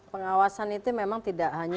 pengawasan itu memang tidak hanya